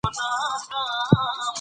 رسوب د افغانستان د زرغونتیا نښه ده.